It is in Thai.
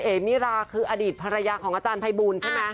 เอมิราคืออดีตภรรยาของอาจารย์ภัยบูลใช่ไหม